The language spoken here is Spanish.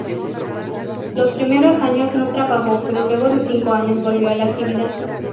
Los primeros años no trabajó pero luego de cinco años volvió a la actividad.